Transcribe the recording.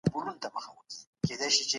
سرمایه داري د چا په ګټه ده؟